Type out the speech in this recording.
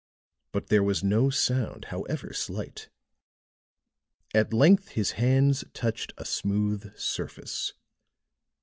But there was no sound, however slight. At length his hands touched a smooth surface.